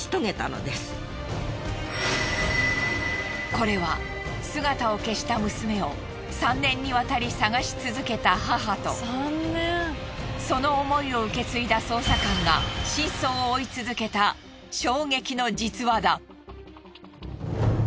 これは姿を消した娘を３年にわたり探し続けた母とその思いを受け継いだ捜査官が真相を追い続けた衝撃の実話だ。